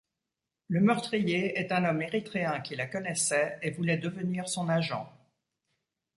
Le meurtrier est un homme erythréen qui la connaissait et voulait devenir son agent.